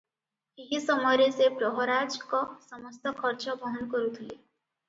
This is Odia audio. ଏହି ସମୟରେ ସେ ପ୍ରହରାଜଙ୍କ ସମସ୍ତ ଖର୍ଚ୍ଚ ବହନ କରୁଥିଲେ ।